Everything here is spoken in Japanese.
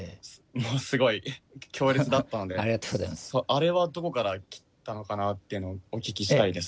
あれはどこから来たのかなっていうのをお聞きしたいです。